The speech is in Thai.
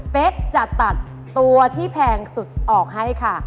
จะตัดตัวที่แพงสุดออกให้ค่ะ